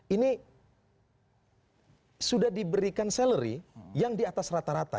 ini sudah diberikan salary yang di atas rata rata